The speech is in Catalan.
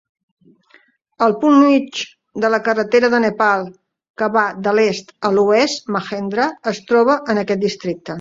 El punt mig de la carretera de Nepal que va de l'est a l'oest, Mahendra, es troba en aquest districte.